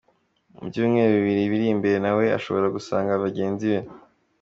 Mu byumweru bibiri biri imbere na we ashobora gusanga bagenzi be.